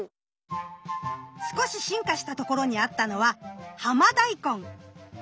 少し進化した所にあったのはハマダイコン。